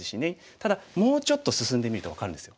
ただもうちょっと進んでみると分かるんですよ